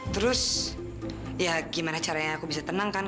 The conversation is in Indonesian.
terus ya gimana caranya aku bisa tenang kan